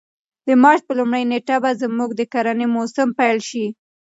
د مارچ په لومړۍ نېټه به زموږ د کرنې موسم پیل شي.